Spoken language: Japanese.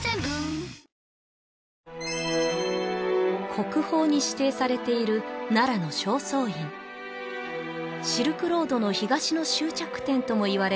国宝に指定されている奈良の正倉院シルクロードの東の終着点ともいわれ